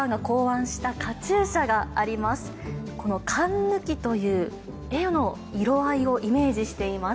この『かんぬき』という絵の色合いをイメージしています。